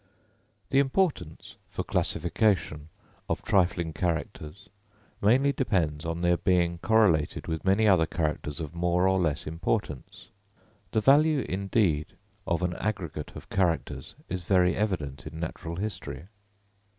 The importance, for classification, of trifling characters, mainly depends on their being correlated with many other characters of more or less importance. The value indeed of an aggregate of characters is very evident in natural history.